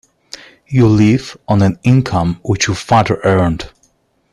You live on an income which your father earned.